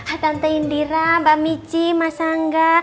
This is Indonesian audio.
ah tante indira mbak michi mas angga